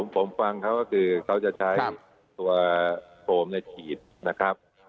ผมฟังเขาคือมันก็จะใช้ตัวโฟมและฉีดนะครับ